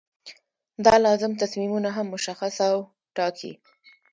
دا لازم تصمیمونه هم مشخص او ټاکي.